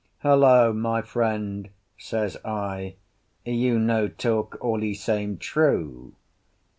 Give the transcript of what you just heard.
"Hullo, my friend!" says I, "you no talk all e same true.